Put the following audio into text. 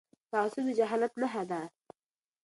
تعصب د جهالت نښه ده..